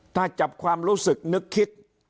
ถ้าจับความรู้สึกนึกคิด